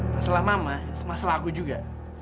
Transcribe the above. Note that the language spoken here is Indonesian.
masalah mama masalah aku juga